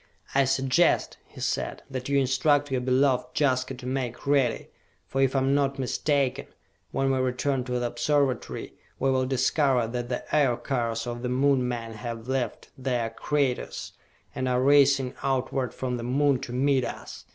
"I suggest," he said, "that you instruct your beloved Jaska to make ready; for if I am not mistaken, when we return to the Observatory we will discover that the Aircars of the Moon men have left their craters and are racing outward from the Moon to meet us!